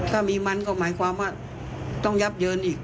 ถ้ามีมันต้องยับเยินอีก